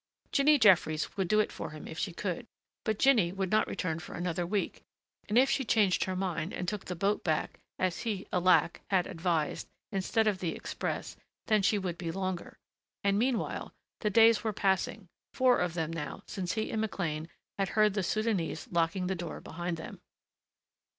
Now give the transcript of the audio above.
Jinny Jeffries would do it for him if she could, but Jinny would not return for another week. And if she changed her mind and took the boat back as he, alack! had advised instead of the express, then she would be longer. And meanwhile the days were passing, four of them now since he and McLean had heard the Soudanese locking the door behind them.